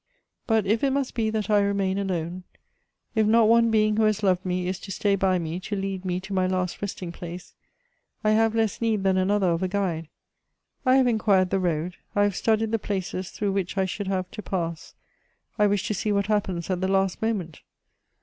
But if it must be that I remain alone, if not one being who has loved me is to stay by me to lead me to my last resting place, I have less need than another of a guide: I have inquired the road, I have studied the places through which I should have to pass; I wished to see what happens at the last moment.